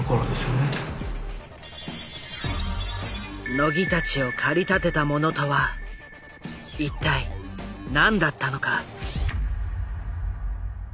野木たちを駆り立てたものとは一体何だったのか？